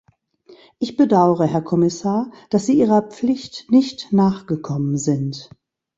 Ich bedaure, Herr Kommissar, dass Sie Ihrer Pflicht nicht nachgekommen sind.